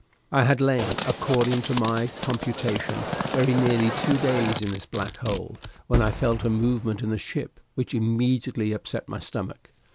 I had lain, according to my own computation, very nearly two days in this black hole, when I felt a movement in the ship which immediately upset my stomach.